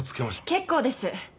結構です。